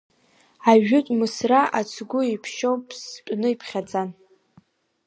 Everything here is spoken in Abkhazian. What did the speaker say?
Ажәытә Мысра ацгәы иԥшьоу ԥстәны иԥхьаӡан.